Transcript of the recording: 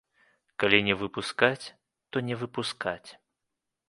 Калі не выпускаць, то не выпускаць.